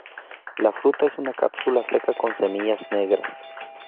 La fruta es una cápsula seca con semillas negras.